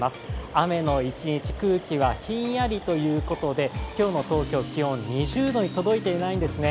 雨の一日、空気はひんやりということで今日の東京、気温２０度に届いていないんですね。